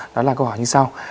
đó là câu hỏi như sau